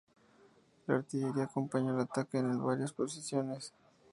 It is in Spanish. La artillería acompañó el ataque en varias posiciones.